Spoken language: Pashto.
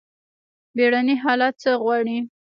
بیړني حالات څه غواړي؟